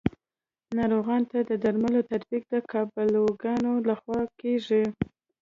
ناروغانو ته د درملو تطبیق د قابله ګانو لخوا کیږي.